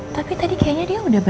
tapi tadi kayaknya dia udah baca